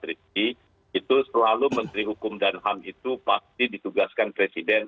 itu selalu menteri hukum dan ham itu pasti ditugaskan presiden